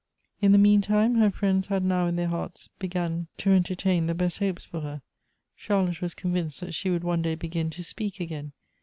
In the moan time, her friends had now in their hearts begun to entertain the best hopes for her. Charlotte was convinced that she would one day begin to speak again.